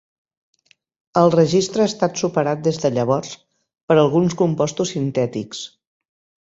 El registre ha estat superat des de llavors per alguns compostos sintètics.